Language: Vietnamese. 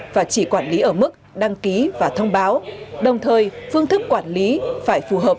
và chỉ quản lý ở mức đăng ký và thông báo đồng thời phương thức quản lý phải phù hợp